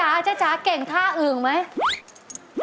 แล้วแล้วจ๊ะจ๊ะเก่งท่าอื่นไหม